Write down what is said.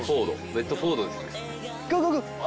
ベッドフォードですね。